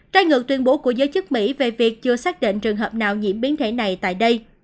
trái ngược tuyên bố của giới chức mỹ về việc chưa xác định trường hợp nào nhiễm biến thể này tại đây